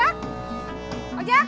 eh eh ojak ojak